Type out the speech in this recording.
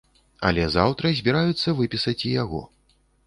Але заўтра збіраюцца выпісаць і яго.